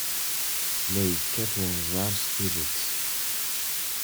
La yekkat wenẓar s tidet.